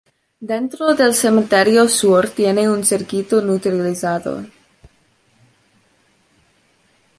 Dentro del Cementerio Sur tiene un circuito neutralizado.